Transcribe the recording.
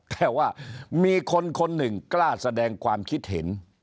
แต่ว่ามีคนคนหนึ่งกล้าแสดงความคิดเห็น